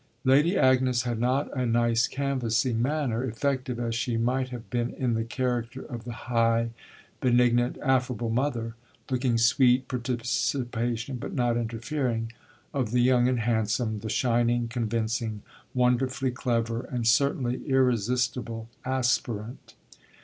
Lady Agnes had not a nice canvassing manner, effective as she might have been in the character of the high, benignant, affable mother looking sweet participation but not interfering of the young and handsome, the shining, convincing, wonderfully clever and certainly irresistible aspirant.